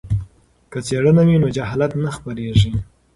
که څیړنه وي نو جهالت نه خپریږي.